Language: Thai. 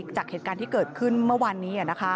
จากเหตุการณ์ที่เกิดขึ้นเมื่อวานนี้